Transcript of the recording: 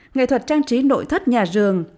nghệ thuật trang trí nội thất nhà rường